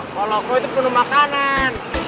kalau kau itu penuh makanan